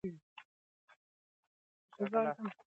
پانګونه د کاري فرصتونو لامل ګرځي.